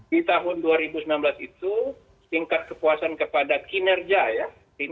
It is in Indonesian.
di tahun dua ribu sembilan belas itu tingkat kepuasan kepada kinerja ya